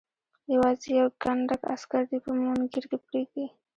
یوازې یو کنډک عسکر دې په مونګیر کې پرېږدي.